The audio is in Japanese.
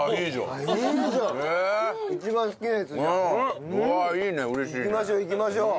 いきましょういきましょう。